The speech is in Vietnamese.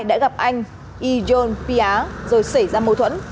kể cả hai đã gặp anh ijon pia rồi xảy ra mâu thuẫn